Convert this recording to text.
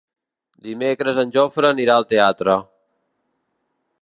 Dimecres en Jofre anirà al teatre.